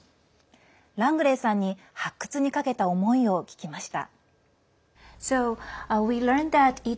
ラングレーさんに発掘にかけた思いを聞きました。